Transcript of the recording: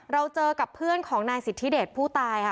เราเจอกับเพื่อนของนายสิทธิเดชผู้ตายค่ะ